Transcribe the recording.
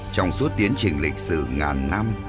trong suốt tiến trình lịch sử ngàn năm